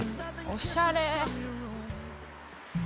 おしゃれ。